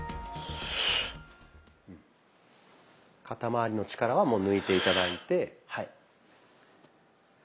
肩まわりの力はもう抜いて頂いてはい。